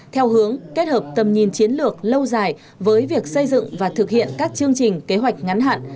theo hướng kết hợp tầm nhìn chiến lược lâu dài với việc xây dựng và thực hiện các chương trình kế hoạch ngắn hạn